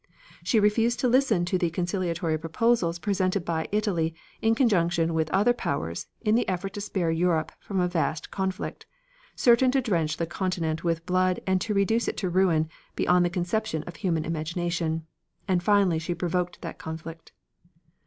She refused to listen to the conciliatory proposals presented by Italy in conjunction with other powers in the effort to spare Europe from a vast conflict, certain to drench the Continent with blood and to reduce it to ruin beyond the conception of human imagination, and finally she provoked that conflict.